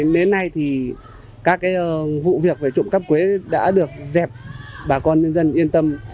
đến nay thì các vụ việc về trộm cắp quế đã được dẹp bà con nhân dân yên tâm